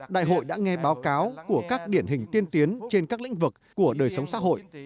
đại hội đã nghe báo cáo của các điển hình tiên tiến trên các lĩnh vực của đời sống xã hội